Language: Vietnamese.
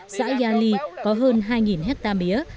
xã gia ly có hơn hai hectare mía